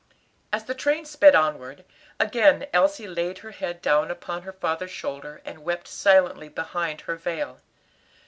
As the train sped onward, again Elsie laid her head down upon her father's shoulder and wept silently behind her veil.